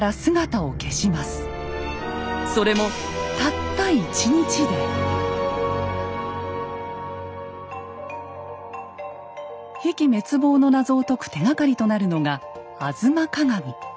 それも比企滅亡の謎を解く手がかりとなるのが「吾妻鏡」。